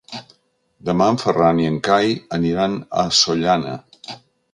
Demà en Ferran i en Cai aniran a Sollana.